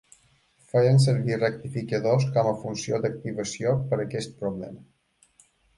Feien servir rectificadors com a funció d'activació per aquest problema.